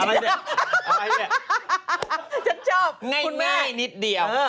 ฉันชอบคุณแม่แง่นิดเดียว